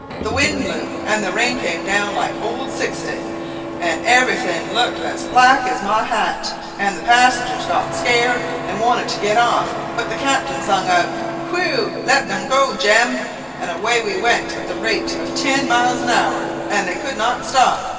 The wind blew, and the rain came down like old sixty, and everything looked as black as my hat; and the passengers got scared and wanted to get off, but the captain sung out, 'Whew let 'em go, Jem!' and away we went at the rate of tew miles an hour, and they could not stop.